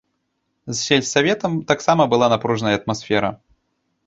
З сельсаветам таксама была напружаная атмасфера.